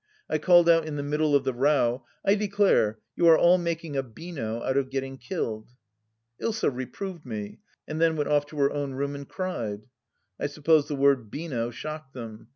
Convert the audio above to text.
I called out in the middle of the row :" I declare, you are all making a beano out of getting killed." Ilsa reproved me, and then went off to her own room and cried. I suppose the word "beano" shocked them